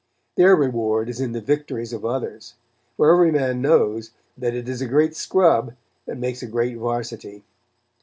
Their reward is in the victories of others, for every man knows that it is a great scrub that makes a great varsity.